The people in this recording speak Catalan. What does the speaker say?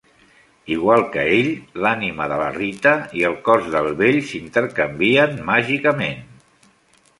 Igual que ell, l'ànima de la Rita i el cos del vell s'intercanvien màgicament.